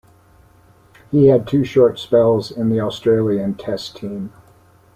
He had two short spells in the Australian Test team.